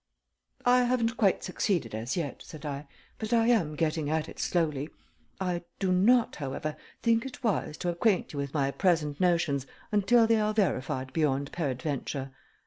"I haven't quite succeeded as yet," said I, "but I am getting at it slowly. I do not, however, think it wise to acquaint you with my present notions until they are verified beyond peradventure.